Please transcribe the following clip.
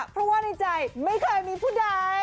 เพราะว่าในใจไม่เคยมีผู้ใด